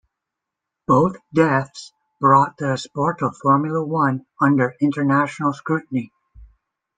Both deaths brought the sport of Formula One under international scrutiny.